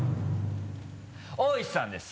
大石さんです！